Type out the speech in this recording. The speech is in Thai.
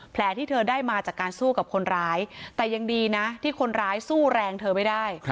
ที่เธอได้มาจากการสู้กับคนร้ายแต่ยังดีนะที่คนร้ายสู้แรงเธอไม่ได้